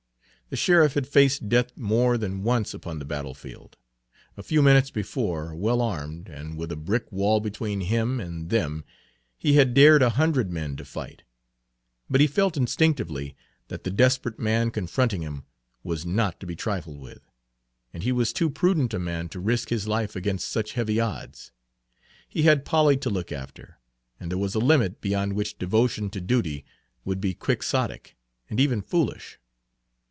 The sheriff had faced death more than once upon the battlefield. A few minutes before, well armed, and with a brick wall between him and them he had dared a Page 84 hundred men to fight; but he felt instinctively that the desperate man confronting him was not to be trifled with, and he was too prudent a man to risk his life against such heavy odds. He had Polly to look after, and there was a limit beyond which devotion to duty would be quixotic and even foolish.